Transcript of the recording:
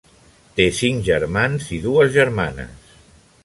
Té cinc germans i dues germanes.